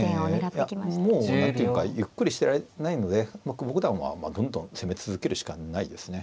いやもう何ていうかゆっくりしてられないので久保九段はどんどん攻め続けるしかないですね。